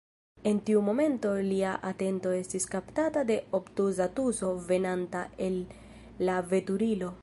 En tiu momento lia atento estis kaptata de obtuza tuso, venanta el la veturilo.